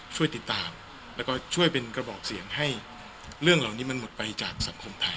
ช่วยติดตามแล้วก็ช่วยเป็นกระบอกเสียงให้เรื่องเหล่านี้มันหมดไปจากสังคมไทย